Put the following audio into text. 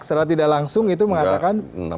secara tidak langsung itu mengatakan